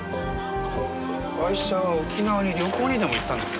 ガイシャは沖縄に旅行にでも行ったんですかね？